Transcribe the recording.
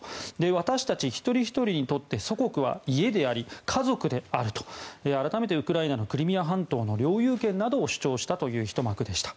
私たち一人ひとりにとって祖国は家であり家族であると改めてウクライナのクリミア半島の領有権などを主張したという一幕でした。